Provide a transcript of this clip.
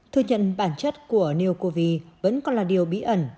thừa nhận bản chất của neocov vẫn còn là điều bí ẩn